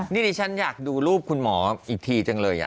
นี่ดิฉันอยากดูรูปคุณหมออีกทีจังเลย